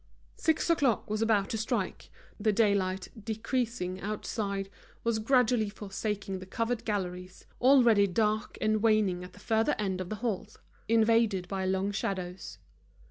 Six o'clock was about to strike, the daylight decreasing outside was gradually forsaking the covered galleries, already dark and waning at the further end of the halls, invaded by long shadows.